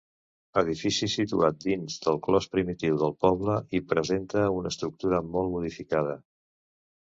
Edifici situat dins del clos primitiu del poble, i presenta una estructura molt modificada.